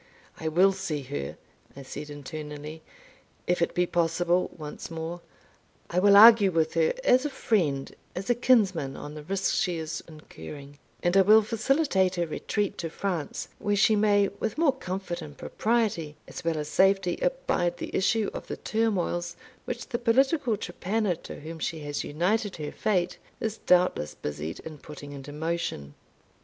"I will see her," I said internally, "if it be possible, once more. I will argue with her as a friend as a kinsman on the risk she is incurring, and I will facilitate her retreat to France, where she may, with more comfort and propriety, as well as safety, abide the issue of the turmoils which the political trepanner, to whom she has united her fate, is doubtless busied in putting into motion."